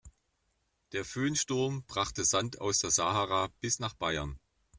Der Föhnsturm brachte Sand aus der Sahara bis nach Bayern.